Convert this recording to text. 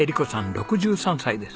６３歳です。